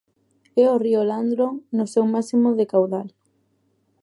É o río Landro no seu máximo de caudal.